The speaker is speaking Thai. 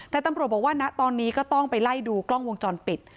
แต่ตำรวจบอกว่าณตอนนี้ก็ต้องไปไล่ดูกล้องวงจรปิด